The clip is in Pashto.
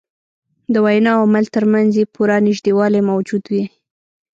د وینا او عمل تر منځ یې پوره نژدېوالی موجود وي.